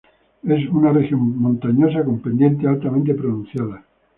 Es una región montañosa con pendientes altamente pronunciadas.